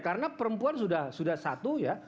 karena perempuan sudah satu ya